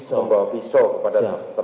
pembalas pisau kepada